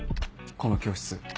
この教室。